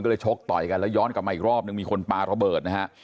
ก็เลยชกต่อยกันแล้วย้อนกลับมาอีกรอบนึงมีคนปลาระเบิดนะฮะ